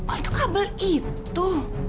oh itu kabel itu